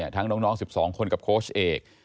ทั้งน้อง๑๒คนกับโค้ชเอก